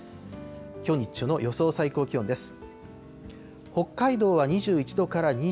きょう日中の予想最高気温です。